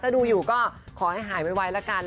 ถ้าดูอยู่ก็ขอให้หายไวละกัน